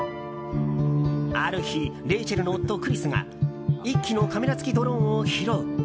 ある日レイチェルの夫・クリスが１機のカメラ付きドローンを拾う。